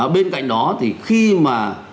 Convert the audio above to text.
bên cạnh đó thì khi mà